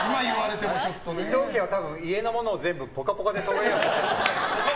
伊藤家は多分、家のものを全部、「ぽかぽか」でそろえようとしてる。